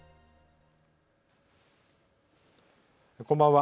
こんばんは。